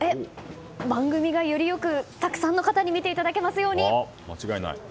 番組がよりよくたくさんの方に見ていただけますように！